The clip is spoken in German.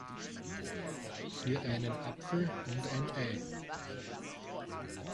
Für einen Apfel und ein Ei.